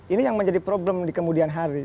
ini yang menjadi problem di kemudian hari